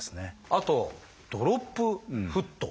あと「ドロップフット」。